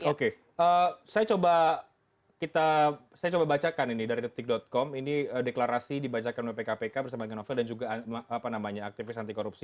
oke saya coba kita saya coba bacakan ini dari detik com ini deklarasi dibacakan oleh pkpk bersama dengan panovel dan juga apa namanya aktivis anti korupsi ada mbak lola disana tadi kan sepanjang hari ini